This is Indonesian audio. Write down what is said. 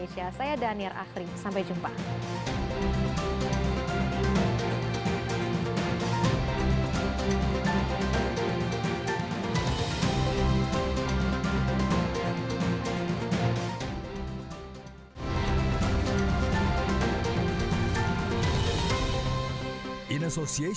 saya danir akhrim sampai jumpa